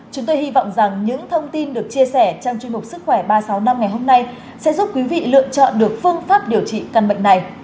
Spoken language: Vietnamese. chúng tôi hy vọng rằng những thông tin được chia sẻ trong chương mục sức khỏe ba trăm sáu mươi năm ngày hôm nay sẽ giúp quý vị lựa chọn được phương pháp điều trị căn bệnh này